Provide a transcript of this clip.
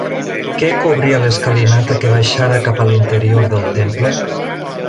Què cobria l'escalinata que baixava cap a l'interior del temple?